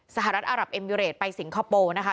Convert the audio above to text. สหรัฐอารับเอมิเรตไปสิงคโปร์นะคะ